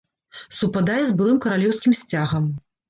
Супадае з былым каралеўскім сцягам.